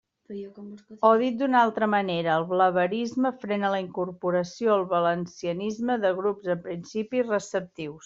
O, dit d'una altra manera, el blaverisme frena la incorporació al valencianisme de grups en principi receptius.